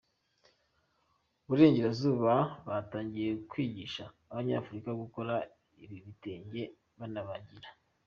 burengerazuba batangiye kwigisha abanyafurika gukora ibi bitenge banabagira